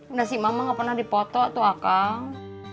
udah si mama gak pernah dipoto tuh akang